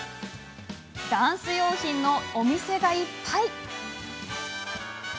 ダンス用品のお店がいっぱい。